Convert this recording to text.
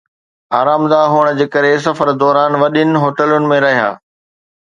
آرامده هئڻ ڪري، سفر دوران وڏين هوٽلن ۾ رهيا